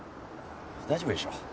大丈夫でしょう。